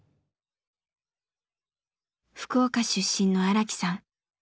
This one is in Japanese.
福岡出身の荒木さん。